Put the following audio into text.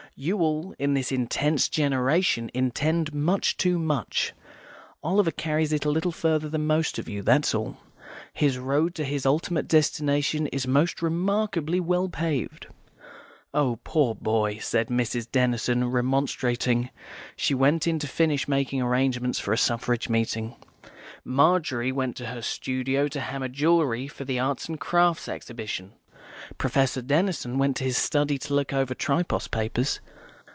"You all, in this intense generation, intend much too much; Oliver carries it a little further than most of you, that's all. His road to his ultimate destination is most remarkably well paved." "Oh, poor boy," said Mrs. Denison, remonstrating. She went in to finish making arrangements for a Suffrage meeting. Margery went to her studio to hammer jewellery for the Arts and Crafts Exhibition. Professor Denison went to his study to look over Tripos papers.